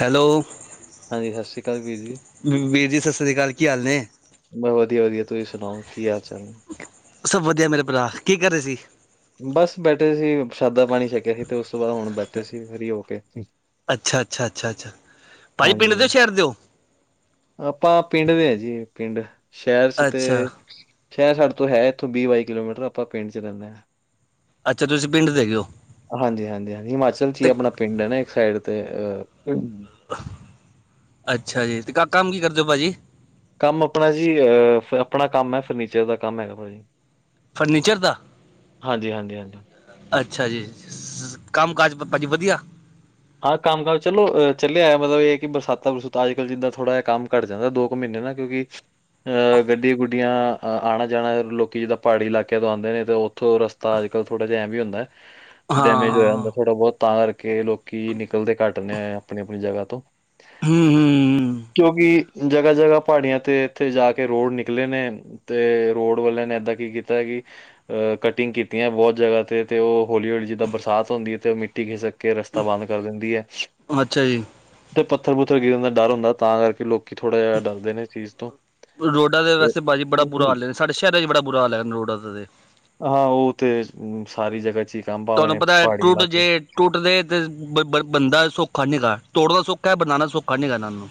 Hello ਹਾਂਜੀ ਸਤਿ ਸ਼੍ਰੀ ਅਕਾਲ ਵੀਰ ਜੀ ਵੀਰ ਜੀ ਸਤਿ ਸ੍ਰੀ ਅਕਾਲ ਕੀ ਹਾਲ ਨੇ ਬਸ ਵਧੀਆ ਵਧੀਆ ਤੁਸੀਂ ਸੁਣਾਓ ਕੀ ਹਾਲ ਚਾਲ ਸਭ ਵਧੀਆ ਮੇਰੇ ਭਰਾ ਕੀ ਕਰ ਰਹੇ ਸੀ ਬਸ ਬੈਠੇ ਸੀ ਪ੍ਸ਼ਾਦਾ ਪਾਣੀ ਛਕਿਆ ਸੀ ਤੇ ਉਸ ਤੋਂ ਬਾਅਦ ਹੁਣ ਬੈਠੇ ਸੀ ਫਰੀ ਹੋ ਕੇ ਅੱਛਾ ਅੱਛਾ ਅੱਛਾ ਅੱਛਾ ਭਾਜੀ ਪਿੰਡ ਦੇ ਹਾਂਜੀ ਹੋ ਸ਼ਹਿਰ ਦੇ ਹੋ ਆਪਾਂ ਪਿੰਡ ਦੇ ਹ ਜੀ ਪਿੰਡ ਸ਼ਹਿਰ ਚ ਅੱਛਾ ਤੇ ਸ਼ਹਿਰ ਸਾਡੇ ਤੋਂ ਹੈ ਇੱਥੋਂ ਵੀਹ ਬਾਈ ਕਿਲੋਮੀਟਰ ਆਪਾਂ ਪਿੰਡ ਚ ਰਹਦੇ ਹਾਂ ਅੱਛਾ ਤੁਸੀਂ ਪਿੰਡ ਦੇ ਗ ਹੋ ਹਾਂਜੀ ਹਾਂਜੀ ਹਾਂਜੀ ਹਿਮਾਚਲ ਚ ਹੀ ਤੇ ਆਪਣਾ ਪਿੰਡ ਹੈ ਨਾ ਇੱਕ ਸਾਈਡ ਤੇ ਅ ਅੱਛਾ ਜੀ ਤੇ ਕਾ ਕੰਮ ਕੀ ਕਰਦੇ ਹੋ ਭਾਜੀ ਕੰਮ ਆਪਣਾ ਜੀ ਅ ਆਪਣਾ ਕੰਮ ਹੈ ਫਰਨੀਚਰ ਦਾ ਕੰਮ ਹੈਗਾ ਭਾ ਜੀ ਫਰਨੀਚਰ ਦਾ ਹਾਂਜੀ ਹਾਂਜੀ ਅੱਛਾ ਜੀ ਕੰਮ ਕਾਜ ਭਾਜੀ ਵਧੀਆ ਹਾਂ ਕੰਮ ਕਮ ਚਲੋ ਚੱਲਿਆਇਆ ਮਤਲਬ ਇਹ ਕਿ ਬਰਸਾਾਂ ਬਰੂਤ ਅਜ ਕੱਲ ਜਿੱਦਾ ਥੋੜ੍ਹਾ ਜਿਹਾ ਕੰਮ ਘੱਟਦਾ ਦੋ ਉਹ ਮਹੀਨੇ ਨਾ ਕਿਉਂਕਿ [inaudible] ਅ ਗੱਡੀ ਗੁੱਡੀਆਂ ਅ ਆਣਾ ਜਾਣਾ ਲੋਕੀ ਜਿੱਦਾਂ ਪਹਾੜੀ ਇਲਾਕਿਆਂ ਤੋਂ ਆਉਂਦੇ ਨੇ ਤੇ ਉਥੋਂ ਰਸ ਤਾਂ ਅਜ ਕੱਲ ਥੋੜ੍ਹਾ ਜਿਹਾ ਐ ਵੀ ਹੁੰਦਾ। ਡੈਮੇਜ ਹੋਇਆ ਹਾਂ ਹੁੰਦਾ ਥੋੜ੍ਹਾ ਬਹੁਤ ਤਾਂ ਕਰਕੇ ਲੋਕੀ ਨਿਕਲਦੇ ਘੱਟਦੇ ਆ ਆਪਣੀ ਆਪਣੀ ਜਗ੍ਹਾ ਤੋਂ ਹੂੰ -ਹੂੰ ਹੂੰ ਕਿਉਂਕਿ ਜਗ੍ਹਾ ਜਗ੍ਹਾ ਪਹਾੜੀਆਂ ਤੇ ਇੱਥੇ ਜਾ ਕੇ ਰੋਡ ਨਿਕਲੇ ਨੇ। ਤੇ ਰੋਡ ਵਾਲਿਆਂ ਨੇ ਏਦਾਂ ਕੀ ਕੀਤਾ ਕਿ ਅ ਕਟਿੰਗ ਕੀਤੀਆਂ ਬਹੁਤ ਜਗ੍ਹਾ ਤੇ- ਤੇ ਉਹ ਹੌਲੀ- ਹੌਲੀ ਜਿੱਦਾਂ ਬਰਸਾਤ ਹੁੰਦੀ ਹੈ ਤੇ ਉਹ ਮਿੱਟੀ ਖਿਸਕ ਕੇ ਰਸ ਤਾਂ ਬੰਦ ਕਰ ਦਿੰਦੀ ਏ। [inaudible] ਅੱਛਾ ਜੀ। ਤੇ ਪੱਥਰ ਪੁੱਥਰ ਗਿਰਨ ਦਾ ਡਰ ਹੁੰਦਾ ਤਾਂ ਕਰਕੇ ਲੋਕ ਜਿਆਦਾ ਡਰਦੇ ਨੇ ਚੀਜ਼ ਤੋਂ ਰੋਡਾ ਦੇ ਵਸਤੇ ਭਾਜੀ ਬੜਾ ਤੇ ਬੁਰਾ ਹਾਲ ਹੈ ਸਾਡੇ ਸ਼ਹਿਰਾਂ ਚ' ਬੜਾ ਬੁਰਾ ਹਾਲ ਰੋਡਾ ਦਾ ਤੇ ਹਾਂ ਉਹ ਤੇ ਸਾਰੀ ਜਗ੍ਹਾ 'ਚ ਹੀ ਕੰਮ ਤੁਹਾਨੂੰ ਭਾਵੇਂ ਪਤਾ ਹੈ ਪਹਾੜੀ ਟੂਟ ਇਲਾਕੇ ਜੇ ਟੁੱਟਦੇ ਤੇ ਬ ਬਣਦਾ ਸੌਖਾ ਨਹੀਂ ਹੇਗਾ ਤੋੜਨਾ ਸੌਖਾ ਬਣਾਉਣਾ ਸੌਖਾ ਨੀ ਹੇਗਾ ਇਹਨਾਂ ਨੂੰ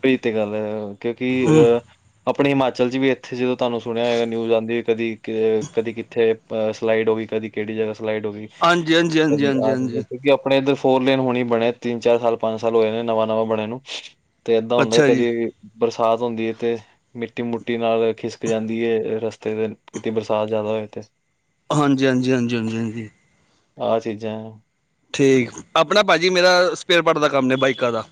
ਬਈ ਤੇ ਗੱਲ ਹੈ ਕਿਉਂਕਿ ਹੂੰ ਅਹ ਆਪਣੇ ਹਿਮਾਚਲ 'ਚ ਵੀ ਇੱਥੇ ਜਦੋਂ ਤੁਹਾਨੂੰ ਸੁਣਿਆ ਹੋਗਾ ਨਿਊਜ਼ ਆਉਂਦੀ ਕਦੀ -ਕਦੀ ਕਿੱਥੇ ਸਲਾਈਡ ਹੋ ਗਈ ਕਦੀ ਕਿਹੜੀ ਜਗ੍ਹਾ ਸਲਾਈਡ ਹੋ ਗਈ ਹਾਂਜੀ ਹਾਂਜੀ ਹਾਂਜੀ ਕਦੀ ਹਾਂਜੀ ਆ ਹਾਂਜੀ ਕਿਉਂਕਿ ਆਪਣੇ ਇੱਧਰ ਫੋਰ ਲੇਨ ਹੋਣੀ ਬਣੇ ਤਿੰਨ ਚਾਰ ਸਾਲ ਪੰਜ ਸਾਲ ਹੋਏ ਨੇ ਨਵਾਂ -ਨਵਾਂ ਬਣੇ ਨੂੰ [inaudible] ਤੇ ਏਦਾਂ ਹੁੰਦਾ ਅੱਛਾ ਜੀ ਕਦੀ ਬਰਸਾਤ ਹੁੰਦੀ ਹੈ ਤੇ ਮਿੱਟੀ ਮੁਟੀ ਨਾਲ ਖਿਸਕ ਜਾਂਦੀ ਹੈ ਰਸਤੇ ਤੇ ਕਿਤੇ ਬਰਸਾਤ ਜ਼ਿਆਦਾ ਹੋਏ ਤੇ ਹਾਂਜੀ- ਹਾਂਜੀ- ਹਾਂਜੀ -ਹਾਂਜੀ -ਹਾਂਜੀ। ਆਹ ਚੀਜ਼ਾਂ ਠੀਕ ਆਪਣਾ ਭਾਜੀ ਮੇਰਾ ਸਪੇਅਰ ਪਾਰਟ ਦਾ ਕੰਮ ਨੇ ਬਾਈਕਾਂ ਦਾ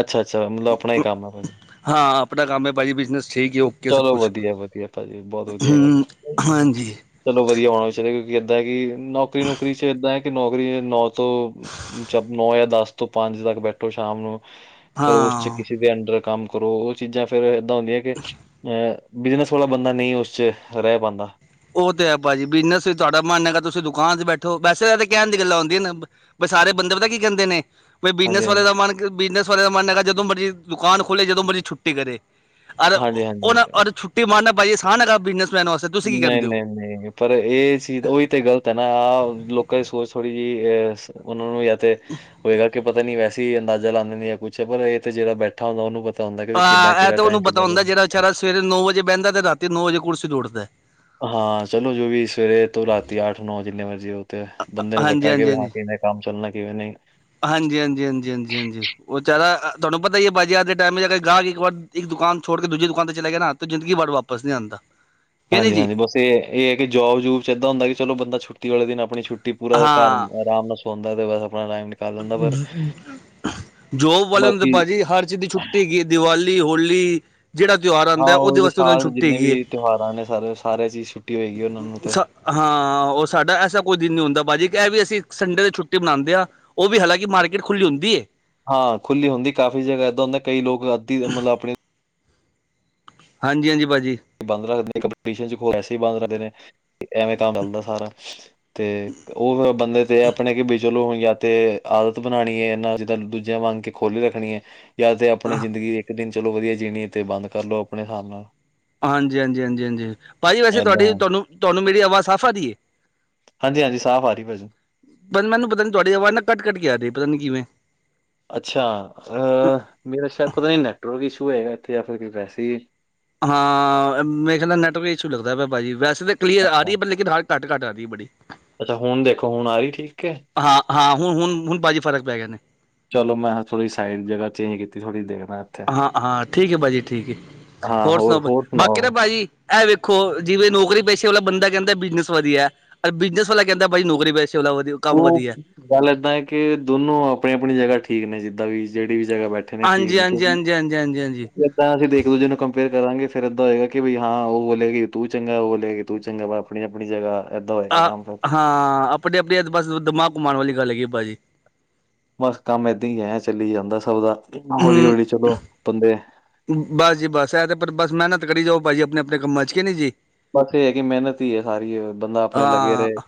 ਅੱਛਾ -ਅੱਛਾ ਮਤਲਬ ਆਪਣਾ ਹੀ ਕੰਮ ਹੈ ਭਾਜੀ। ਹਾਂ ਆਪਣਾ ਕੰਮ ਹੈ ਭਾਜੀ ਬਿਜ਼ਨਸ ਠੀਕ ਹੀ ਹੈ ਉਹ ਚਲੋ ਵਧੀਆ- ਵਧੀਆ ਭਾਜੀ ਬਹੁਤ ਵਧੀਆ ਗੱਲ ਹਮ ਹੈ। ਹਾਂਜੀ ਚਲੋ ਵਧੀਆ ਹੋਣਾ ਵਿਚ ਕਿਉਂਕਿ ਏਦਾਂ ਹੈ ਕਿ ਨੌਕਰੀ ਨੁਕਰੀ 'ਚ ਏਦਾਂ ਹੈ ਕਿ ਨੌਕਰੀ ਨੌ ਤੋਂ 'ਚ ਨੌ ਜਾਂ ਦਸ ਤੋਂ ਪੰਜ ਤੱਕ ਬੈਠੋ ਸ਼ਾਮ ਨੂੰ ਫੇਰ ਉਸ 'ਚ ਹਾਂ ਕਿਸੇ ਦੇ ਅੰਡਰ ਕੰਮ ਕਰੋ ਉਹ ਚੀਜ਼ਾਂ ਫਿਰ ਏਦਾਂ ਹੁੰਦੀਆਂ ਕਿ ਅਹ ਬਿਜਨਸ ਵਾਲਾ ਬੰਦਾ ਨਹੀਂ ਉਸ 'ਚ ਰਹਿ ਪਾਂਦਾ। ਉਹ ਤੇ ਹੈ ਭਾਜੀ ਬਿਜਨਸ ਵੀ ਤੁਹਾਡਾ ਮਨ ਹੈਗਾ ਤੁਸੀਂ ਦੁਕਾਨ 'ਚ ਬੈਠੋ ਵੈਸੇ ਤਾਂ ਤੇ ਕਹਿਣ ਦੀ ਗੱਲਾਂ ਆਉਂਦੀਆਂ ਨਾ ਬ ਸਾਰੇ ਬੰਦੇ ਪਤਾ ਕੀ ਕਹਿੰਦੇ ਨੇ ਹਾਂਜੀ ਬਿਜ਼ਨਸ ਵਾਲੇ ਦਾ ਮਨ ਕਿ ਬਿਜ਼ਨਸ ਵਾਲਿਆਂ ਮਨ ਹੈਗਾ ਜਦੋਂ ਮਰਜ਼ੀ ਦੁਕ ਖੋ੍ਹੇ ਜਦੋਂ ਮਰਜ਼ੀ ਛੁੱਟੀ ਕਰੇ। ਹਾਂਜੀ ਹਾਂਜੀ ਉਹ ਹਾਂਜੀ ਛੁੱਟੀ ਮਾਰਨਾ ਬ ਆਸਾਨ ਹੇਗਾ ਬਿਜਨਸਮੈਨ ਵਾਸਤੇ ਤੁਸੀਂ ਕੀ ਨਹੀਂ, ਕਹਿੰਦੇ। ਨਹੀਂ ਹੋ -ਨਹੀਂ ਪਰ ਇਹ ਚੀਜ਼ ਉਹੀ ਤੇ ਗ਼ਲਤ ਹੈ ਨਾ ਆਹ ਲੋਕਾਂ ਦੀ ਸੋਚ ਥੋੜੀ ਵੀ ਐਸ ਉਹਨਾਂ ਨੂੰ ਜਾਂ ਤੇ ਹੋਏਗਾ ਕਿ ਪਤਾ ਨੀ ਵੈਸੇ ਤੇ ਅੰਦਾਜ਼ਾ ਲਾਂਣੇ ਆ ਕੁੱਛ ਪਰ ਇਥੇ ਜਿਹੜਾ ਬੈਠਾ ਬੈਠਾ ਹੁੰਦਾ ਉਹਨੂੰ ਪਤਾ ਹੁੰਦਾ ਵੀ ਕਿੱਦਾਂ ਹਾਂ ਇਹ ਕਿਹੜਾ ਤਾਂ ਟਾਈਮ ਉਹਨੂੰ ਪਤਾ ਕਿੱਦਾਂ ਹੁੰਦਾ ਜਿਹੜਾ ਵਿਚਾਰਾ ਸਵੇਰੇ ਨੌ ਵਜੇ ਬਹਿੰਦਾ ਤੇ ਰਾਤੀ ਨੌ ਵਜੇ ਕੁਰਸੀ ਉਠਦਾ ਹਾਂ ਚਲੋ ਜੋ ਵੀ ਸਵੇਰੇ ਤੋਂ ਰਾਤੀਂ ਅੱਠ ਨੌ ਜਿੰਨੇ ਮਰਜ਼ੀ ਹੋ ਤੇ ਬੰਦੇ ਨੂੰ ਹਾਂਜੀ ਪਤਾ ਹਾਂਜੀ ਕਿ ਹਾਂ ਹਾਂਜੀ। ਕੀ ਕੰਮ ਚੱਲਣਾ ਕਿਵੇਂ ਨਹੀਂ ਹਾਂਜੀ- ਹਾਂਜੀ -ਹਾਂਜੀ- ਹਾਂਜੀ- ਹਾਂਜੀ। ਉਹ ਚਾਰਾ ਤੁਹਾਨੂੰ ਪਤਾ ਹੈ ਭਾਜੀ ਅ ਦੇ ਟਾਈਮ ਅਰ ਗਾਹਕ ਇੱਕ ਵਾਰ ਇੱਕ ਦੁਕਾਨ ਛੋੜ ਕੇ ਦੂਜੀ ਦੁਕਾਨ ਤੇ ਚਲੇ ਗਿਆ ਨਾ ਜ਼ਿੰਦਗੀ ਭਰ ਵਾਪਿਸ ਵਾਪਿਸ ਨਹੀਂ ਆਂਦਾ। ਕਿ ਨਹੀਂ ਹਾਂਜੀ ਜੀ -ਹਾਂਜੀ ਬਸ ਇਹ ਇਹ ਹੈ ਕਿ ਜੋਬ ਜੂਬ 'ਚ ਇਦਾਂ ਹੁੰਦਾ ਕਿ ਚਲੋ ਬੰਦਾ ਛੁੱਟੀ ਵਾਲੇ ਦਿਨ ਆਪਣੀ ਛੁੱਟੀ ਛੁੱਟੀ ਪੂਰਾ ਘਰ ਹਾਂ। ਆਰਾਮ ਨਾਲ ਸੌਂਦਾ ਤੇ ਬਸ ਆਪਣਾ ਆਰਾਮ ਜੋਬ ਵਾਲਿਆਂ ਤੇ ਬਾਕੀ ਭਾਜੀ ਹਰ ਚੀਜ਼ ਦੀ ਛੁੱਟੀ ਹੈਗੀ। ਦੀਵਾਲੀ, ਹੋਲੀ ਜਿਹੜਾ ਤਿਉਹਾਰ ਹਾਂ। ਆਂਦਾ ਉਹਦੇ ਉਹ ਵਾਸਤੇ ਉਹਨਾਂ ਨੂੰ ਸਾਲ ਛੁੱਟੀ ਜਿੰਨੇ ਹੈਗੀ ਏ। ਵੀ ਤਿਉਹਾਰਾਂ ਨੇ ਸਾਰੇ ਸਾਰਿਆਂ ਸਾਰੇ ਛੁੱਟੀ ਹੋਏਗੀ ਉਹਨਾਂ ਨੂੰ ਤੇ ਹਾਂ। ਉਹ ਸਾਡਾ ਐਸਾ ਕੋਈ ਦਿਨ ਨੀ ਹੁੰਦਾ ਭਾਜੀ ਇਹ ਵੀ ਅਸੀਂ ਸੰਡੇ ਦੀ ਛੁੱਟੀ ਬਣਾਉਂਦੇ ਆਂ। ਉਹ ਵੀ ਹਾਲਾਂ ਕਿ ਮਾਰਕੀਟ ਖੁੱਲੀ ਹੁੰਦੀ ਹੈ। ਹਾਂ। ਖੁੱਲੀ ਹੁੰਦੀ ਕਾਫ਼ੀ ਜਗਾ ਇੱਦਾਂ ਹੁੰਦਾ ਕਈ ਲੋਕ ਅੱਧੀ ਮੱਤਲਬ ਆਪਣੇ ਹਾਂਜੀ -ਹਾਂਜੀ ਭਾਜੀ ਬੰਦ ਰੱਖਦੇ ਨੇ ਕੰਸੇ ਹੀ ਬੰਦ ਰਹਿੰਦੇ ਨੇ ਐਵੇਂ ਕੰਮ ਚੱਲਦਾ ਸਾਰਾ ਤੇ ਉਹ ਫਿਰ ਬੰਦੇ ਤੇ ਆਪਣੇ ਕੀ ਚਲੋ ਹੁਣ ਜਾਂ ਤੇ ਆਦਤ ਬਣਾਉਣੀ ਏ ਇਹਨਾਂ ਜਿੱਦਾਂ ਦੂਜਿਆਂ ਵਾਂਗ ਕੇ ਖੋਲੀ ਰੱਖਣੀ ਹੈ। ਜਾਂ ਤੇ ਆਪਣੀ ਜ਼ਿੰਦਗੀ ਇੱਕ ਦਿਨ ਚਲੋ ਵਧੀਆ ਜੀਣੀ ਤੇ ਬੰਦ ਕਰ ਲੋ ਆਪਣੇ ਹਿਸਾਬ ਨਾਲ। ਹਾਂਜੀ - ਹਾਂਜੀ -ਹਾਂਜੀ -ਹਾਂਜੀ ਭਾਜੀ ਵੈਸੇ ਏਦਾਂ ਤੁਹਾਡੀ ਤੁਹਾਨੂੰ ਤੁਹਾਨੂੰ ਮੇਰੀ ਆਵਾਜ਼ ਸਾਫ਼ ਆ ਰਹੀ ਹੈ। ਹਾਂਜੀ - ਹਾਂਜੀ। ਸਾਫ਼ ਆ ਰਹੀ ਭਾਜੀ। ਪਰ ਨਾ ਮੈਨੂੰ ਪਤਾ ਤੁਹਾਡੀ ਆਵਾਜ਼ ਨਾ ਕੱਟ ਕੱਟ ਆ ਰਹੀ ਪਤਾ ਕਿਵੇਂ ਅੱਛਾ ਅ ਮੇਰਾ ਸ਼ਾਇਦ ਪਤਾ ਨਹੀਂ ਨੈਟਵਰਕ ਇਸ਼ੂ ਹੋਏਗਾ ਇੱਥੇ ਜਾਂ ਫਿਰ ਵੈਸੇ ਹ ਹਾਂ। ਮੇਰੇ ਖਿਆਲ ਨੈੱਟਵਰਕ ਇਸ਼ੂ ਲੱਗਦਾ ਭਾਜੀ ਵੈਸੇ ਕਲੀਅਰ ਆ ਅੱਛਾ ਰਹੀ ਹੈ ਪਰ ਲੇਕਿਨ ਘੱਟ- ਘੱਟ ਆ ਰਹੀ ਬੜੀ ਅੱਛਾ। ਹੁਣ ਦੇਖੋ ਹੁਣ ਆ ਰਹੀ ਠੀਕ ਹੈ। ਹਾਂ -ਹਾਂ ਹੁਣ - ਹੁਣ ਭਾਜੀ ਫਰਕ ਪੈ ਗਿਆ ਨੇ ਚਲੋ ਮੈਂ ਥੋੜ੍ਹੀ ਸਾਈਡ ਜਗ੍ਹਾ ਚੇਂਜ ਕੀਤੀ ਥੋੜ੍ਹੀ ਦੇਖਣਾ। ਹਾਂ - ਹਾਂ ਠੀਕ ਹੈ ਭਾਜੀ ਠੀਕ ਹੈ ਹੋਰ ਸੁਣਾਓ ਬਾਕੀ ਦਾ ਭਾਜੀ ਇਹ ਵੇਖੋ ਜਿਵੇਂ ਨੌਕਰੀ ਪੇਸ਼ੇ ਵਾਲਾ ਬੰਦਾ ਕਹਿੰਦਾ ਬਿਜ਼ਨਸ ਵਧੀਆ। ਔਰ ਬਿਜ਼ਨਸ ਵਾਲਾ ਕਹਿੰਦਾਂ ਭਾਈ ਨੌਕਰੀ ਪੈਸੇ ਵਾਲਾ ਵਧੀਆ। ਕੰਮ ਉਹ ਵਧੀਆ ਗੱਲ ਏਦਾਂ ਹੈ ਕਿ ਦੋਨੋ ਆਪਣੀ ਆਪਣੀ ਜਗ੍ਹਾ ਠੀਕ ਨੇ ਜਿੱਦਾਂ ਵੀ ਜਿਹੜੀ ਵੀ ਜਗ੍ਹਾ ਬੈਠੇ ਕਿੱਥੇ ਨੇ ਠੀਕ ਹਾਂਜੀ ਨੇ ਹਾਂਜੀ ਕਿਉਂਕੀ ਹਾਂਜੀ ਹਾਂਜੀ ਹਾਂਜੀ ਹਾਂਜੀ ਤਾਂ ਅਸੀਂ ਇੱਕ ਦੂਜੇ ਨੂੰ ਕੰਪੇਅਰ ਕਰਾਂਗੇ ਫਿਰ ਏਦਾਂ ਹੋਏਗਾ ਕਿ ਵੀਈ ਹਾਂ ਉਹ ਬੋਲੇਗੀ ਤੂੰ ਚੰਗਾ ਉਹ ਬੋਲੇਗੀ ਤੂੰ ਚੰਗਾ ਵਾ ਆਪਣੀ ਆਪਣੀ ਜਗ੍ਹਾ ਏਦਾਂ ਹੋਏਗਾ ਹਾਂ ਕੰਮ ਫਿਰ ਹਾਂ। ਆਪਣੇ ਆਪਣੇ ਆਸੇ ਪਾਸੇ ਦਿਮਾਗ ਘਮਾਉਣ ਵਾਲੀ ਗੱਲ ਹੈਗੀ ਆ ਭਾਜੀ ਬੱਸ ਕੰਮ ਏਦਾਂ ਹੀ ਹੈ ਚੱਲੀ ਜਾਂਦਾ ਸੱਭ ਦਾ ਹੌਲੀ ਹੌਲੀ ਚਲੋ ਬੰਦੇ ਬੱਸ ਜੀ ਬੱਸ ਇਹ ਤੇ ਪਰ ਬੱਸ ਮਿਹਨਤ ਕਰੀ ਜਾਓ ਭਾਜੀ ਆਪਣੇ ਆਪਣੇ ਕੰਮਾਂ ਚ ਕਿਨੀ ਜੀ। ਬੱਸ ਇਹ ਹੈ ਕਿ ਮਿਹਨਤ ਹੀ ਹੈ ਸਾਰੀ ਬੰਦਾ ਆਪਣੇ ਲੱਗੇ ਹਾਂ, ਰਹੇ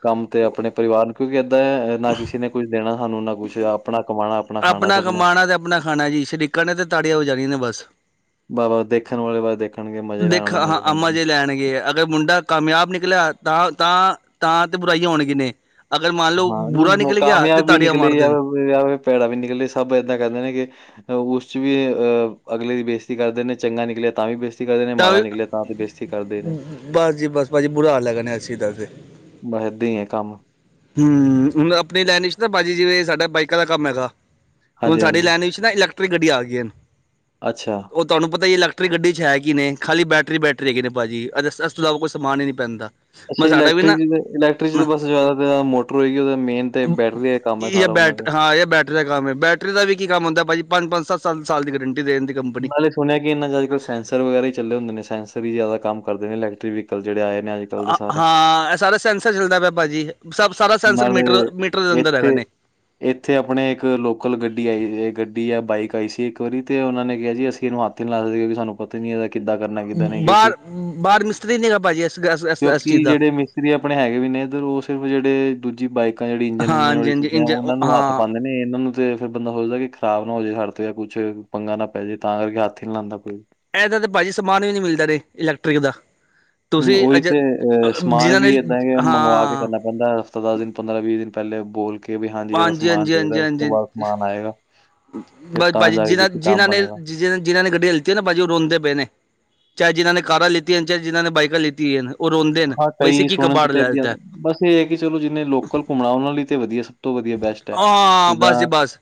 ਕੰਮ ਤੇ ਆਪਣੇ ਪਰਿਵਾਰ ਨੂੰ ਕਿਉਂਕਿ ਏਦਾਂ ਨਾ ਕਿਸੇ ਨੇ ਕੁੱਝ ਦੇਣਾ ਸਾਨੂੰ ਨਾ ਕੁੱਛ ਆਪਣਾ ਕਮਾਣਾ। ਖਾਣਾ ਆਪਣਾ ਸਭ ਨੇ ਕਮਾਉਣਾ ਤੇ ਆਪਣਾ ਖਾਣਾ ਜੀ ਸਰੀਕਾਂ ਨੇ ਤੇ ਤਾੜੀਆਂ ਵਜਾਣੀਆਂ ਨੇ ਬੱਸ ਬੱਸ - ਬੱਸ ਦੇਖਣ ਵਾਲੇ ਬੱਸ ਦੇਖਣਗੇ ਮਜ਼ੇ ਲੈਣ ਦੇਖ ਵਾਲੇ ਹਾਂ ਮਜ਼ੇ ਲੈਂਦੇ ਅੰਮਾ ਨੇ। ਜੇ ਲੈਣਗੇ ਅਗਰ ਮੁੰਡਾ ਕਾਮਯਾਬ ਨਿਕਲਿਆ ਤਾਂ ਤਾਂ ਤਾਂ ਤਾਂ ਬੁਰਾਈਆਂ ਹੋਣਗੀਆ ਨੇ ਅਗਰ ਮੰਨ ਲਓ ਹਾਂ ਬੁਰਾ ਨਿਕਲ ਗਿਆ ਤੇ ਤਾੜੀਆਂ ਮਾਰਦੇ ਨੇ। ਵਿਆਹ ਭੈੜਾ ਵੀ ਨਿਕਲੇ ਸਭ ਏਦਾਂ ਕਹਿੰਦੇ ਨੇ ਕਿ ਉਸ ਚ ਵੀ ਅਹ ਅਗਲੇ ਦੀ ਬੇਸਤੀ ਕਰਦੇ ਨੇ ਚੰਗਾ, ਨਿਕਲਿਆ ਤਾਂ ਵੀ ਬੇਤੀ ਕਰਦੇ ਨੇ ਤਾਂ ਮਾੜਾ ਨਿਕਲਿਆ ਤਾਂ ਤੇ ਬੇਸਤੀ ਕਰਦੇ ਨੇ, ਬਸ ਜੀ ਬਸ ਭਾਅ ਜੀ ਬੁਰਾ ਹਾਲ ਲਗਾ ਇਸ ਚੀਜ਼, ਬਸ, ਏਦਾਂ ਹੀ ਆ ਕੰਮ, ਹੂੰ ਹੁਣ ਆਪਣੀ ਲਾਈਨ ਵਿੱਚ ਨਾ ਭਾਜੀ ਜਿਵੇਂ, ਸਾਡਾ ਬਾਈਕਾਂ ਦਾ ਕੰਮ ਹੈਗਾ ਤੇ ਹੁਣ ਹਾਂਜੀ ਸਾਡੀ ਹਾਂਜੀ ਲਾਈਨ ਜਦ ਇਲੈਕਰੀਕ ਗੱਡੀ ਆ ਗਈ ਹਨ। ਅੱਛਾ, ਉਹ ਤੁਹਾਨੂੰ ਪਤਾ ਹੀ ਇਲੈਕਟ੍ਰਿਕ ਗੱਡੀ ਚ ਹੈ, ਕੀ ਨੇ ਖਾਲੀ ਬੈਟਰੀ ਬੈਰੀ ਹੈਗੇ, ਨੇ ਭਾਜੀ ਇਸ ਤੋਂ ਇਲਾਵਾ ਕੋਈ ਸਮਾਨ ਹੀ ਨਹੀਂ ਪੈਂਦਾ। ਅੱਛਾ ਮੈਂ ਸਾਡਾ ਵੀ ਇਲੈਕਟ੍ਰਿਕ ਨਾ ਇਲੈਕਟ੍ਰਿਕ ਬਸ ਜ਼ਿਆਦਾ ਮੋਟਰ ਹੋਏਗੀ, ਉਹ ਮੇਨ ਤੇ ਬੈਟਰੀ ਦਾ ਕੰਮ ਹੈ ਇਹ ਸਾਰਾ ਉਹਨਾਂ ਦਾ ਬੈਠ ਹਾਂ ਇਹ ਬੈਠ, ਦਾ ਕੰਮ ਹੈ ਬੈਟਰੀ ਦਾ ਵੀ ਕੀ ਕੰਮ ਹੁੰਦਾ, ਭਾਜੀ ਪੰਜ ਸੱਤ ਸਾਲ ਦੀ ਗਰੰਟੀ ਦੇਣ। ਕੰਪਨੀ ਮਾਲਿਕ, ਸੁਣਿਆ ਕਿ, ਇਹਨਾਂ ਅੱਜ-ਕੱਲ ਸੈਂਸਰ ਵਗੈਰਾ ਚੱਲ ਹੁੰਦੇ ਨੇ, ਸੈਂਸਰ ਹੀ ਜਿਆਦਾ ਕੰਮ ਕਰਦੇ ਨੇ ਇੈਕਟ੍ਰਿਕ ਵੀਕਲ ਜਿਹੜੇ ਆਏ ਨੇ। ਅੱਜ-ਕੱਲ੍ਹ ਦੇ ਸਾਰੇ। ਹਾਂ ਇਹ ਸਾਰਾ ਸੈਂਸਰ ਚੱਲਦਾ ਪਿਆ, ਭਾਜੀ ਸਾਰਾ ਸੈਂਸਰ ਨਾਲੇ ਮੀਟਰ ਮੀਟਰ ਦੇ ਅੰਦਰ ਇੱਥੇ ਹੈਗਾ ਨੇ। ਇੱਥੇ ਆਪਣੇ ਇੱਕ ਲੋਕਲ ਗੱਡੀ ਆਈ, ਗੱਡੀ ਜਾਂ ਬਾਈਕ ਆਈ ਸੀ ਇੱਕ ਵਾਰੀ ਤੇ ਉਹਨਾਂ ਨੇ ਕਿਹਾ ਜੀ, ਅਸੀਂ ਇਹਨੂੰ ਹੱਥ ਤੇ ਨਾਲ ਨੀ ਸਾਨੂੰ ਪਤ ਨੀ ਇਹਦਾ ਕਿੱਦਾਂ ਕਰਨਾ ਕਿੱਦਾਂ ਨੇ ਕਿਉਂਕਿ-ਕਿਉਂਕਿ ਬਾਹਰ ਬਾਹਰ ਮਿਸਤਰੀ ਨੀ ਹੈਗਾ ਭਾਜੀ ਇਸ ਇਸ ਚੀਜ਼ ਦਾ ਜਿਹੜੇ ਮ ਰੀ ਆਪਣੇ ਹੈਗੇ ਵੀ ਨੇੱਧਰ ਉਹ ਸਿਰਫ ਜਿਹੜੇ ਦੂਜੀ ਬਾਈਕਾਂ ਜਿਹੜੀ ਇੰਜਨ ਉੰਜਣ ਹਾਂਜੀ ਵਾਲੀ ਹਾਂਜੀ ਚੀਜ਼ਾਂ ਇੰਜ ਉਹਨਾਂ ਨੂੰ ਹੱਥ ਹਾਂ ਪਾਉਂ। ਕਹਿੰਦੇ ਨੇ ਇਹਨਾਂ ਨੂੰ ਤੇ ਫਿਰ ਬੰਦਾ ਸੋਚਦਾ, ਕਿ ਖ਼ਰਾਬ ਨਾ ਹੋ ਜੇ ਸੜ ਤੇ ਜਾਂ ਕੁੱਛ ਪੰਗਾ ਨਾ ਪੈਜੇ, ਤਾਂ ਕਰਕੇ ਹੱਥ ਹੀ ਨਹੀਂ ਲਾਂਦਾ ਕੋਈ। ਇਹਦਾ ਤੇ ਭਾਜੀ ਸਮਾਨ ਵੀ ਨੀ ਮਿਲਦਾ, ਇਲੈਕਟ੍ਰਿਕ ਦਾ ਹੂੰ ਤੁਸੀਂ ਉਹੀ ਅਜ ਤੇ ਅਹ ਸਮਾਨ ਜਿਨ੍ਹਾਂ ਨੇ ਵੀ ਏਦਾਂ ਮੰਗਵਾ ਕੇ ਹਾਂ ਕਰਨਾ। ਬੰਦਾ ਹਫ਼ਤਾ ਦਸ ਦਿਨ ਪੰਦਰਾਂ ਵੀਹ ਦਿਨ ਪਹਿਲੇ ਬੋਲ ਕੇ, ਵੀ ਹਾਂਜੀ ਇਹਦਾ ਸਮਾਨ ਹਾਂਜੀ, ਚਾਹੀਦਾ, ਹਾਂਜੀ, ਉਸ ਤੋਂ ਹਾਂਜੀ। ਬਾਅਦ ਸਮਾਨ ਆਏਗਾ। ਫਿਰ ਬ ਤਾਂ ਬਾਜੀ ਜਾ ਜਿ ਕੇ ਕਿਤੇ ਜਿਨ੍ਹਾਂ ਕੰਮ ਨੇ ਬਣੇਗਾ। ਜੀ ਜਿਨ੍ਹਾਂ ਨੇ ਗੱਡੀਆਂ ਲਤੀਆ ਨੇ ਬਾਜੀ ਉਹ ਰੋਂਦੇ ਪਏ ਨੇ, ਚਾਹੇ ਜਿਹਨਾਂ ਨੇ ਕਾਰਾਂ ਲਤੀਆਂ ਨੇ ਚਾਹੇ ਜਿਨਾਂ ਨੇ ਬਾਈਕਾਂ ਲਿੱਤੀਆਂ, ਨੇ ਉਹ ਰੋਂਦੇ ਨੇ ਹਾਂ, ਬਸੀੇ ਕਈ ਕੀ ਸੁਣਨ 'ਚ ਕਬਾੜ ਤੇ ਲੇ ਏਦੀ ਲੇਤਾ। ਬਸ ਇਹ ਹੈ ਕਿ ਚਲੋ ਜਿੰਨੇ ਲੋਕਲ ਘੁੰਮਣਾ ਉਹਨਾਂ ਲਈ ਤੇ ਵਧੀਆ। ਸਭ ਤੋਂ ਵਧੀਆ ਬੈਸਟ ਹੈ, ਹਾਂ ਜਿੱਦਾਂ ਬਸ ਜੀ ਬਸ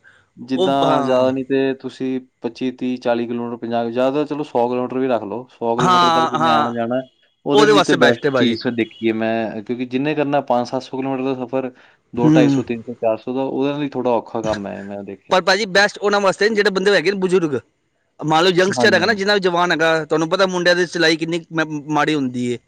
ਉਹ ਜਿੱਦਾਂ ਜਆਦਾ ਹਾਂ, ਨੀ, ਤੇ ਤੁਸੀਂ ਪੱਚੀ ਤੀਹ ਚਾਲੀ ਕਿਲੋਮੀਟਰ ਪੰਜਾਹ ਜ਼ਿਆਦਾ ਚਲੋ ਸੌ ਕਿਲੋਮੀਟਰ ਵੀ ਰੱਖ ਲਓ। ਸੌ ਕਿਲੋਮੀਟਰ ਤੱਕ ਹਾਂ, ਜਿੰਨੇ ਆਉਣਾ, ਹਾਂ। ਜਾਣਾ ਉਹਦੇ ਲਈ ਤੇ ਵਾਸਤੇ ਬੈਸਟ ਹੈ ਭਾਜੀ ਚੀਜ਼ ਦੇਖੀਏ ਮੈਂ ਕਿਉਂਕਿ, ਜਿੰਨੇ ਕਰਨਾ ਪੰਜ ਸੱਤ ਸੌ ਕਿਲੋਮੀਟਰ ਦਾ ਸਫ਼ਰ ਦੋ ਢਾਈ ਸੌ ਹੂੰ ਤਿੰਨ ਸੌ ਚਾਰ ਸੌ ਦਾ ਉਹਦੇ ਨਾਲ ਲਈ ਥੋੜਾ ਔਖਾ ਕੰਮ ਹੈ, ਇਹ ਮੈਂ ਦੇਖਿਆ। ਪਰ ਭਾਜੀ ਬੈਸਟ ਉਨਾਂ ਵਾਸਤੇ ਜਿਹੜੇ ਬੰਦੇ ਹੈਗੇ, ਨੇ ਬਜ਼ੁਰਗ ਮੰਨ ਲਓ ਯੰਗਸਟਰ ਹਾਂਜੀ, ਹੈਗਾ ਨਾ ਹਾਂਜੀ। ਜਿਹਨਾਂ ਜਵਾਨ ਹੈਗਾ, ਤੁਹਾਨੂੰ ਪਤਾ ਮੁੰਡਿਆਂ ਦੀ ਸਿਲਾਈ ਕਿੰਨੀ ਮਾੜੀ ਹੁੰਦੀ ਹੈ।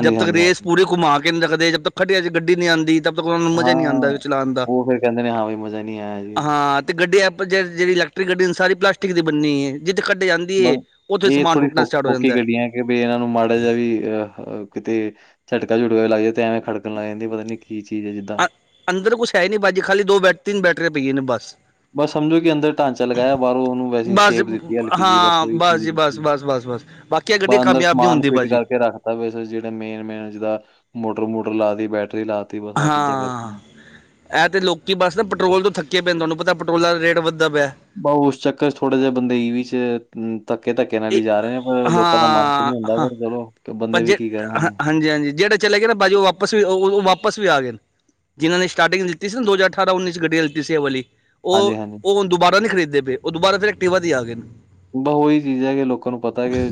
ਜਦ ਤੱਕ ਹਾਂਜੀ, ਰੇਸ ਹਾਂਜੀ। ਪੂਰੇ ਘੁੰਮਾ ਕੇ ਨਹੀਂ ਰੱਖਦੇ ਜਦ ਤੱਕ ਖਟੀੇ ਚੇ ਗੱਡੀ ਨੀ ਆਦੀ ਤ ਉਹਨਾਂ ਨੂੰ ਮਜ਼ਾ ਨਹੀਂ ਆਂਦਾ ਹਾਂ, ਚਲਾਣ ਦਾ, ਉਹ ਫਿਰ ਕਹਿੰਦੇ ਨੇ ਹਾਂ ਵੀ ਮਜ਼ਾ ਨਹੀਂ ਆਇਆ। ਜੀ। ਹਾਂ ਤੇ ਗੱਡੀ ਜਿਹੜੀ ਇਲੈਕਟ੍ਰਿਕ ਗੱਡੀ ਸਾਰੀ ਪਲਾਸਟਿਕ ਦੀ ਬੰਨੀ ਹੈਏ ਜਿੱਥੇ ਕੱਢੇ ਜਾਂ, ਬ ਇਹ ਥੋੜ੍ਹੀ ਔਖੀ ਗੱਡੀਆਂ, ਕਿ ਵੀ ਇਹਨਾਂ ਨੂੰ ਮਾੜਾ ਜਿਹਾ ਵੀ ਅ ਕਿਤੇ ਝਟਕਾ ਝੁਟਕਾ ਵੀ ਲੱਗ ਜਾਂ, ਤੇ ਐਵੇਂ ਖੜਕਣ ਲੱਗ ਜਾਂਦੀ ਪਤਾ ਨੀ ਕੀ ਚੀਜ਼ ਹੈ ਜਿੱਦਾਂ। ਅ ਅੰਦਰ ਕੁਛ ਹੈ ਨੀ, ਬਾਜੀ ਖਾਲੀ ਦੋ ਬੈ ਤਿੰਨ ਬੈਟਰੀਆਂ ਪਈਆਂ ਨੇ ਬੱਸ ਬਸ ਸਮਝੋ ਕਿ ਅੰਦਰ ਢਾਂਚਾ ਲਗਾਇਆ, ਬਾਹਰੋਂ ਉਹਨੂੰ ਵੈਸੇ ਬਸ ਸ਼ਛੇਪ ਦਿੱਤੀ ਹੈ, ਹਲਕੀ ਜਿਹੀ ਬਸ ਹਾਂ ਉਹੀ ਜੀ ਚੀਜ਼, ਬਸ ਬਸ ਬਸ ਬਸ ਬਾਕੀ ਇਹ ਬ ਗੱਡੀ ਅੰਦਰ ਕਾਮਯਾਬ ਨਹੀਂ ਸਮਾਨ ਹੁੰਦੀ ਫਿਟ ਭਾਜੀ ਕਰਕੇ ਰੱਖਦਾ। ਜਿਹੜੇ ਮੇਨ, ਮੇਨ ਜਿੱਦਾਂ ਮੋਟਰ ਮੋਟਰ ਲਾ ਤ ਬੈਟਰੀ ਲਾ। ਤੀ ਬਸ ਆਹ ਚੀਜ਼ਾਂ ਹਾਂ, ਕਰਤੀਆਂ। ਇਹ ਤਾਂ ਲੋਕ ਬਸ ਨਾ ਪੈਟਰੋਲ ਤੋਂ ਥੱਕੇ ਪਏ ਨੇ ਤੁਹਾਨੂੰ ਪਤਾ ਪੈਟਰੋਲ ਦਾ ਰੇਟ ਵੱਧਦਾ ਪਿਆ। ਬ ਉਸ ਚੱਕਰ ਚ ਥੋੜਾ ਜਾ ਬੰਦੇ ਈ ਵੀ ਚ, ਧੱਕੇ ਧੱਕੇ ਨਾਲ ਇਹ ਹੀ ਜਾ ਰਹੇ, ਨੇ ਪਰ ਲੋਕਾਂ ਦਾ ਮਨ ਤੇ ਹਾਂ ਨੀ ਹੁੰਦਾ ਹਾਂ ਪਰ ਚਲੋ, ਕਿ ਪਰ ਬੰਦੇ ਵੀ ਜੇ ਕੀ ਕਰਨ ਹੁਣ ਹਾਂਜੀ ਹਾਂਜੀ ਜਿਹੜੇ ਚਲੇ ਗਏ, ਨਾ ਬਾਜੀ ਉਹ ਵਾਪ ਵੀ ਵਾਪਸ ਵੀ ਆ ਗਏ। ਜਿਨ੍ਹਾਂ ਨੇ ਸਟਾਰਟਿੰਗ ਦਿੱਤੀ ਸੀ, ਨਾ ਦੋ ਹਜ਼ਾਰ ਅਠਾਰਾ ਉਨੀ ਚ ਗੱਡੀ ਲਿਤੀ ਸੀ, ਇਹ ਵਾਲੀ ਉਹ ਹਾਂਜੀ-ਹਾਂਜੀ ਹੁਣ ਦੁਬਾਰਾ ਨਹੀਂ ਖਰੀਦਦੇ ਪਏ ਉਹ ਦੁਬਾਰਾ ਫਿਰ ਐਕਟੀਵਾ ਦੇ ਆ ਗਏ ਨੇ ਬ ਉਹੀ ਚੀਜ਼ ਹੈ ਕਿ ਲੋਕਾਂ ਨੂੰ ਪਤਾ ਕਿ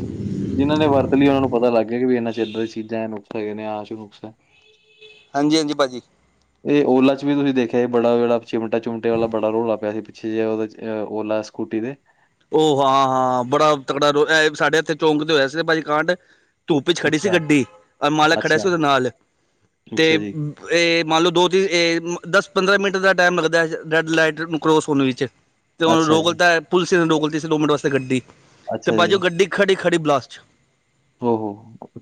ਜਿਹਨਾਂ ਨੇ ਵਰਤ ਲਈ ਉਹਨਾਂ ਨੂੰ ਪਤਾ ਲੱਗ ਵੀ ਇੰਨਾ ਚੇਰ ਤੁਸੀ ਚੀਜਾ ਨੁਕਸ ਹੈ ਨੇ ਆਹ ਚ ਨੁਕਸ ਹੈ ਹਾਂਜੀ- ਹਾਂਜੀ ਭਾਅ ਜੀ ਇਹ ਓਲਾ ਚ ਵੀ ਤੁਸੀਂ ਦੇਖਿਆ ਬੜਾ ਜਿਹੜਾ ਚਿਮਟਾ ਚੁਮਟੇ ਵਾਲਾ ਬੜਾ ਰੋਲਾ ਪਿਆ ਸੀ ਪਿੱਛੇ ਜਿਹਾ ਉਹਦੇ ਓਲਾ ਸਕੂਟੀ ਦੇ ਉਹ ਹਾਂ -ਹਾਂ ਬੜਾ ਤਕੜਾ ਸਾਡੇ ਇੱਥੇ ਚੌਕਦੇ ਹੋਇਆ ਸੀ ਭਾਜੀ ਕਾਂਡ ਧੂਪ ਚ ਖੜੀ ਸੀ ਅੱਛਾ ਗੱਡੀ ਰ ਮਾਲਕ ਖੜਾ ਸੀ ਅੱਛਾ ਉਹਦੇ ਨਾਲ ਤੇ ਅੱਛਾ ਜੀ ਇਹ ਮੰਨ ਲੋ ਦੋ ਤਿੰਨ ਦਸ ਪੰਦਰਾਂ ਮਿੰਟ ਦਾ ਟਾਈਮ ਲੱਗਦਾ ਰੈਡ ਲਾਈਟ ਨੂੰ ਕਰੋਸ ਹੋਣ ਵਿੱਚ ਅਤੇ ਉਹ ਅੱਛਾ ਰੋਕ ਜੀ ਦਿੱਤਾ ਪੁਲਿਸ ਨੇ ਰੋਕ ਦਿੱਤੀ ਸੀ ਦੋ ਮਿੰਟ ਵਾਸਤੇ ਗੱਡੀ ਤੇ ਅੱਛਾ ਜੀ ਬਾਜੀ ਉਹ ਗੱਡੀ ਖੜੀ ਖੜੀ ਬਲਾਸਟ ਚ ਓਹੋ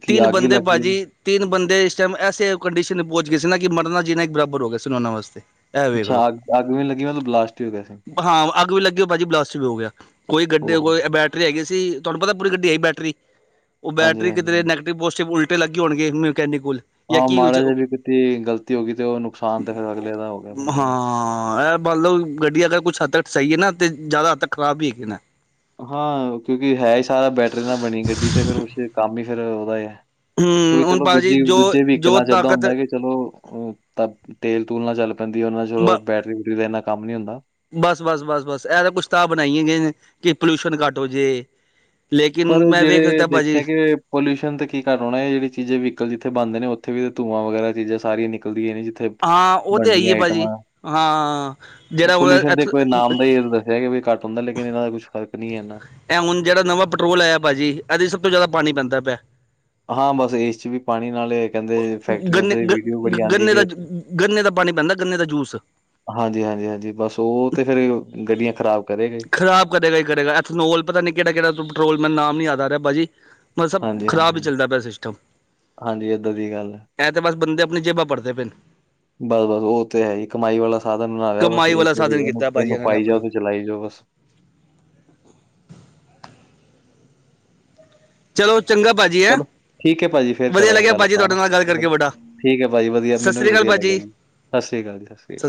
ਕੀ ਤਿੰਨ ਅੱਗ ਹੀ ਬੰਦੇ ਲੱਗ ਗਈ ਭਾਜੀ ਤਿੰਨ ਬੰਦੇ ਇਸ ਟਮ ਐੇ ਕੰਡੀਸ਼ਨ ਪਹੁੰਚ ਗਏ ਸੀ ਨਾ ਕਿ ਮਰਨਾ ਜੀਨਾ ਇੱਕ ਬਰਾਬਰ ਹੋ ਗਿਆ ਸੀਉਨਾ ਵਾਸਤੇ ਇਹ ਵੇਖ ਲੋ ਅੱਛਾ ਅੱਗ ਅੱਗ ਵੀ ਨੀ ਲੱਗੀ ਮਤਲਬ ਬਲਾਸਟ ਹੀ ਹੋ ਗਿਆ ਸੀ ਹਾਂ ਅੱਗ ਵੀ ਲੱਗੇ ਹੋ ਭਾਜੀ ਬਲਾਸ ਹੋ ਗਿਆ, ਕੋਈ ਗੱਡੀ ਓਹੋ ਬੈਟਰੀ ਹੈਗੀ ਸੀ, ਤੁਹਾਨੂੰ ਪਤਾ ਪੂਰੀ ਗੱਡੀ ਹੈਗੀ ਬੈਟਰੀ ਉਹ ਹਾਂਜੀ, ਬੈਟਰੀ ਕਿਤੇਰੇ ਹਾਂਜੀ ਨੈਗਟਵ ਪੋਜ਼ਟਿਵ ਉਲਟੇ ਲੱਗੇ ਹੋਣਗੇ ਮਕੈਨਿਕ ਕੁਲ ਹਾਂ ਮਾੜਾ ਜਿਹਾ ਵੀ ਕਿ ਕੀਤੀ ਗਲਤੀ ਹੋ ਗਈ ਤੇ ਉਹ ਨੁਕਸਾਨ ਤਾਂ ਫਿਰ ਅਗਲੇ ਦਾ ਹੋ ਗਿਆ ਹਾਂ ਇਹ ਮੰਨ ਲਓ ਗੱਡੀ ਅਗਰ ਕੁਛ ਹੱਦ ਤੱਕ ਸਹੀ ਐ ਨਾਂ ਤੇ ਜ਼ਿਆਦਾ ਹੱਦ ਤੱਕ਼ ਖਰਾਬ ਈ ਹੈਗੇ ਨੈਂ ਹਾਂ ਕਿਉਂਕਿ ਹੈ ਹੀ ਸਾਰਾ ਬੈਟਰੀ ਨਾਲ ਬਣੀ ਗੱਡੀ ਤੇ ਫਿਰ ਉਸ ਕੰਮ ਹੀ ਫਿਰ ਉਹਦਾ ਐ ਹਮ ਕਿਉਕਿ ਹੁਣ ਚਲੋ ਭਾਜੀ ਦੂਜੀ, ਜੋ ਦੂਜੇ ਵੀ ਜੋ ਇਕਲਾ ਚੱਲਦਾ ਤਾਕਤ ਹੁੰਦਾ ਵੀ ਚਲੋ ਤਾਂ ਤੇਲ ਤੂਲ ਨਾਲ ਚੱਲ ਪੈਂਦੀ ਉਹ ਨਾਲ ਚਲੋ, ਬ ਬੈਟਰੀ ਵੂਟਰੀ ਦਾ ਇੰਨਾ ਕੰਮ ਨੀਂ ਹੁੰਦਾ ਬਸ, ਬਸ, ਬਸ ਬਸ, ਇਹ ਤਾਂ ਕੁਛ ਤਾਂ ਬਣਾਈਆਂ ਗਈਆਂ ਨੇਂ ਕਿ ਪੋਲਿਊਸ਼ਨ ਘੱਟ ਹੋ ਜਏ ਪਰ ਜਿਹੜੇ ਦੇਖਿਆ ਕਿ ਪੋਲਿਊਸ਼ਨ ਤੇ ਕੀ ਘਟ ਹੋਣਾ, ਇਹ ਜਹੜ ਚੀਜ਼ ਵੀਹੀਕਲ ਜਿੱਥੇ ਬੰਣਦੇ ਨੇਂ, ਉੱਥੇ ਵੀ ਧੂਆਂ ਵਗੈਰਾ ਚੀਜ਼ਾਂ ਸਾਰੀਆਂ ਨਿਕਲਦੀ ਨੇਂ ਥੇ ਹਾਂ ਉਹ ਤੇ ਹੈ ਹੀ ਬਣਨੀਆਂ ਹੈ ਭਾਜੀ ਆਈਟਮਾਂ, ਹਾਂ ਜਿਹੜਾ ਹੁਣ ਪੋਲਿਊਸ਼ਨ ਦੇ ਇੱਥ ਕੋਈ ਨਾਮ ਦਾ ਇਹ ਈ ਰਹਿੰਦਾ ਇਹਹਿ ਕਿ ਵੀ ਘੱਟ ਹੁੰਦਾ, ਲੇਕਿਨ ਇਹਨਾਂ ਦਾ ਕੁਛ ਫਰਕ ਨਈਂ ਐ ਇਹ ਹੁਣ ਜਿਹੜਾ ਨਵਾਂ ਪੈਟਰੋਲ ਆਇਆ ਪਾਜੀ, ਇਹਦੇ ਚ ਸਭ ਤੋਂ ਜ਼ਿਆਦਾ ਪਾਣੀ ਪੈਂਦਾ ਪਿਆ। ਹਾਂ ਬਸ ਇਸ ਚ ਵੀ ਪਾਣੀ ਨਾਲ ਕਹਿੰਦੇ ਫੈਕਟਰੀਆਂ ਗੰਨੇ ਗ ਵੀਡੀਓ ਬੜੀ ਆਂਦੀ ਗੰਨੇ ਦਾ ਪਈ ਗੰਨੇ ਦਾ ਪਾਣੀ ਪੈਂਦਾ, ਗੰਨੇ ਦਾ ਜੂਸ। ਹਾਂਜੀ, ਹਾਂਜੀ, ਹਾਂਜੀ ਬਸ ਉਹ ਤੇ ਫੇਰ ਗੱਡੀਆਂ ਖ਼ਰਾਬ ਕਰੇਗਾ ਈ ਕਦੇਗਾ ਈ ਕਰੇਗਾ, ਐਥਨੋਲ ਪਤਾ ਨੀਂ ਕਿਹੜਾ-ਕਿਹੜਾ ਪੈਟਰੋਲ ਮੈਨੂੰ ਨਾਮ ਨੀਂ ਯਾਦ ਆ ਰਿਹਾ ਪਾਜੀ। ਮਤਲਬ ਹਾਂਜੀ, ਖਰਾਬ ਹੀ ਹਾਂਜੀ, ਚੱਲਦਾ ਪਿਆ ਸਿਸਟਮ ਹਾਂਜੀ ਏਦਾਂ ਦੀ ਗੱਲ ਹੈ। ਇਹਂ ਤੇ ਬਸ ਬੰਦੇ ਆਪਣੀ ਜੇਬਾਂ ਭਰਦੇ ਪਏ ਨੇਂ। ਬਸ ਬਸ ਉਹ ਤੇ ਹੈ ਈ, ਕਮਾਈ ਵਾਲਾ ਸਾਧਨ ਬਨਾ ਲਿਆ ਬਸ, ਕਮਾਈ ਵਾਲਾ ਇੱਕ ਸਾਧਨ ਉਹਨੂੰ ਕੀਤਾ ਭਾਜੀ ਇਹਨੂੰ ਇਹਨਾਂ ਨੇ ਪਾਈ ਜਾਓ ਆਪਣਾ ਤੇ ਚਲਾਈ ਜਾਓ ਬਸ। ਚਲੋ ਚੰਗਾ ਭਾਜੀ ਹੈਂ ਚਲੋ ਠੀਕ ਐ ਪਾਜੀ ਫੇਰ ਵਧੀਆ ਕਰਾਂਗੇ ਲੱਗਿਆ ਗੱਲ ਭਾਜੀ ਆਪਾਂ ਤੁਹਾਡੇ ਨਾਲ ਗੱਲ ਹੈਨਾਂ। ਕਰਕੇ ਬੜਾ ਠੀਕ ਐ ਪਾਜੀ ਵਧੀਆ, ਸਤਿ ਮੈਨੂੰ ਵੀ ਸ਼੍ਰੀ ਅਕਾਲ ਵਧੀਆ ਭਾਜੀ ਲਗਿਆ ਸਤ ਸ਼੍ਰੀ ਅਕਾਲ ਜੀ, ਸਤਿ ਸ਼੍ਰੀ ਅਕਾਲ।